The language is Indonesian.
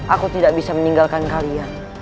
aku tidak bisa meninggalkan kalian